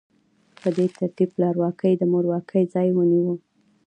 په دې ترتیب پلارواکۍ د مورواکۍ ځای ونیو.